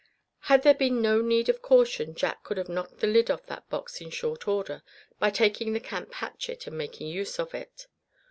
Had there been no need of caution Jack could have knocked the lid off that box in short order, by taking the camp hatchet, and making use of it.